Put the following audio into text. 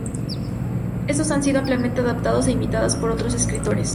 Estas han sido ampliamente adoptadas e imitadas por otros escritores.